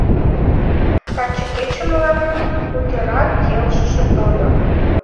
Таче кече мыланем путырак келшыше тольо.